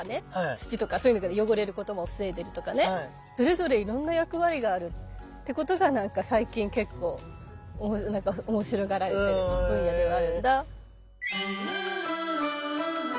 土とかそういう意味では汚れることも防いでるとかねそれぞれいろんな役割があるってことが最近結構おもしろがられてる分野ではあるんだ。